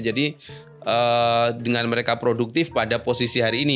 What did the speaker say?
jadi dengan mereka produktif pada posisi hari ini